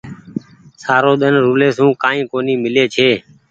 سارو ۮن رولي سون ڪآئي ڪونيٚ ميلي ڇي۔